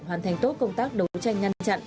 hoàn thành tốt công tác đấu tranh ngăn chặn